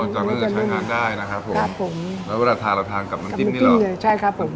อ๋อจากนั้นจะใช้งานได้นะครับผมครับผมแล้วเวลาทานเราทานกับน้ำจิ้มนี่หรอน้ำจิ้มนี่ใช่ครับผม